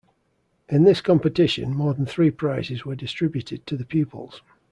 In this competition, more than three prizes were distributed to the pupils.